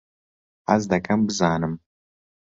حەز دەکەم بزانم.